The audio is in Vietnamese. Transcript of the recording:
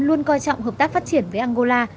luôn coi trọng hợp tác phát triển với angola